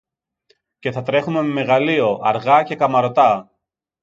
Και θα τρέχομε με μεγαλείο, αργά και καμαρωτά